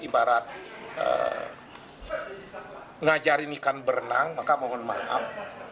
mengajarin ikan berenang maka mohon maaf